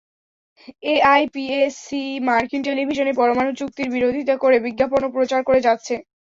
এআইপিএসি মার্কিন টেলিভিশনে পরমাণু চুক্তির বিরোধিতা করে বিজ্ঞাপনও প্রচার করে যাচ্ছে।